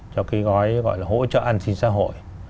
cho cái gói gọi là hỗ trợ an sinh xã hội